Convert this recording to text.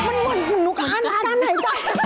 มันเหนื่อยจริงนะ